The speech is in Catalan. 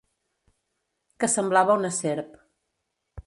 Que semblava una serp.